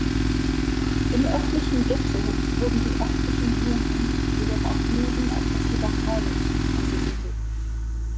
Im örtlichen Ghetto wurden die örtlichen Juden, jedoch auch Juden aus der Slowakei, angesiedelt.